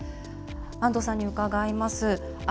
安藤さんに伺います。